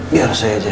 biar saya aja